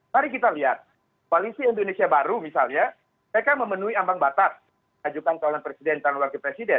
mari kita lihat koalisi indonesia baru misalnya mereka memenuhi ambang batas ajukan calon presiden calon wakil presiden